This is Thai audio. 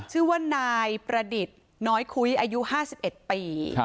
ชื่อว่านายประดิษฐ์น้อยคุ้ยอายุ๕๑ปี